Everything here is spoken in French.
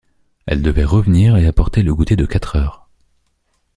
Elle devait revenir et apporter le goûter de quatre heures.